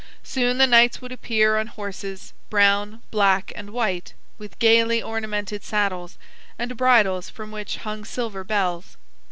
Soon the knights would appear on horses, brown, black, and white, with gaily ornamented saddles, and bridles from which hung silver bells.